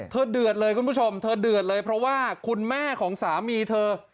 เดือดเลยคุณผู้ชมเธอเดือดเลยเพราะว่าคุณแม่ของสามีเธอ